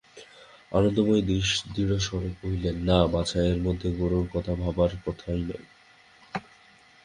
আনন্দময়ী দৃঢ়স্বরে কহিলেন, না বাছা, এর মধ্যে গোরার কথা ভাববার কথাই নয়।